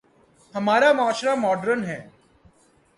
ہمارا معاشرہ ماڈرن ہے۔